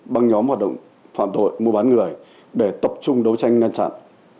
băng nhóm hoạt động phạm tội mua bán người để tập trung đấu tranh ngăn chặn